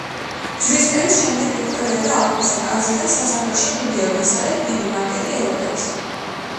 ჯვრისწერის შემდეგ ვიქტორია და ალფონსო ტაძრიდან სასახლეში მიდიოდნენ, სადაც დიდი ბანკეტი ელოდათ.